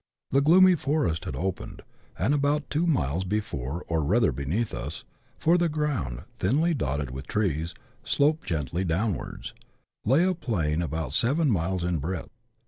The gloomy forest had opened, and about two miles before, or rather beneath us — for the ground, thinly dotted with trees, sloped gently downwards — lay a plain about seven miles in breadth.